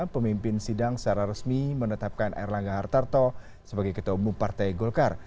pemimpin sidang secara resmi menetapkan erlangga hartarto sebagai ketua umum partai golkar